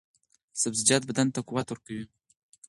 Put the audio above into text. سبزیجات بدن ته قوت ورکوي.